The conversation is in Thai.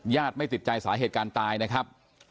ไม่ติดใจสาเหตุการณ์ตายนะครับ